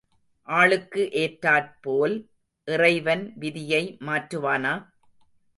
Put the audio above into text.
ஆளுக்கு ஏற்றாற் போல் இறைவன் விதியை மாற்றுவானா?